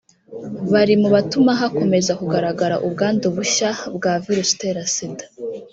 bari mu batuma hakomeza kugaragara ubwandu bushya bwa Virusi itera Sida